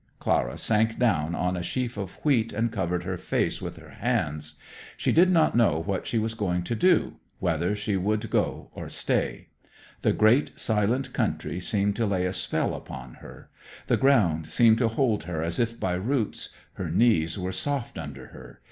Clara sank down on a sheaf of wheat and covered her face with her hands. She did not know what she was going to do whether she would go or stay. The great, silent country seemed to lay a spell upon her. The ground seemed to hold her as if by roots. Her knees were soft under her.